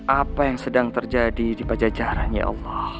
apa yang sedang terjadi di pajajaran ya allah